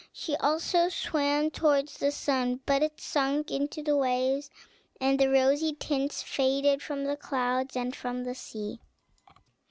She also swam towards the sun; but it sunk into the waves, and the rosy tints faded from the clouds and from the sea.